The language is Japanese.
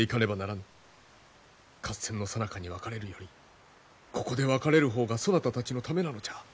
合戦のさなかに別れるよりここで別れる方がそなたたちのためなのじゃ。